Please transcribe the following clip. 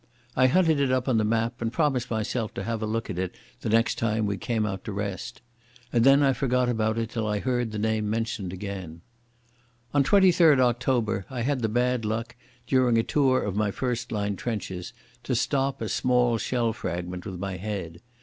I hunted it up on the map, and promised myself to have a look at it the next time we came out to rest. And then I forgot about it till I heard the name mentioned again. On 23rd October I had the bad luck, during a tour of my first line trenches, to stop a small shell fragment with my head.